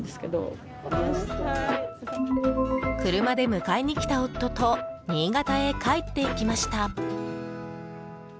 車で迎えにきた夫と新潟へ帰っていきました。